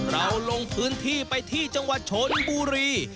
ลงพื้นที่ไปที่จังหวัดชนบุรี